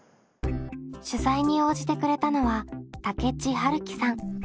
取材に応じてくれたのは武知治樹さん。